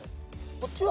こっちは？